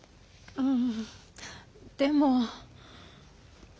うん！